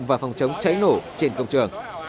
và phòng chống cháy nổ trên công trường